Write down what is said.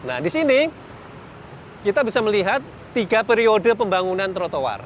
nah di sini kita bisa melihat tiga periode pembangunan trotoar